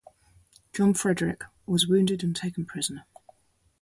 John Frederick was wounded and taken prisoner.